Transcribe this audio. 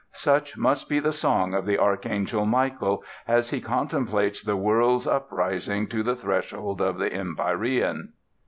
Such must be the song of the Archangel Michael as he contemplates the world's uprising to the threshold of the empyrean."